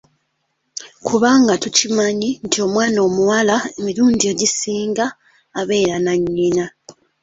Kubanga tukimanyi nti omwana omuwala emirundi egisinga abeera nannyina.